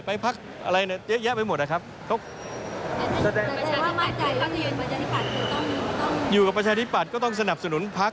ไปพักอะไรเนี่ยเยอะแยะไปหมดอ่ะครับอยู่กับประชาธิปัตย์ก็ต้องสนับสนุนพัก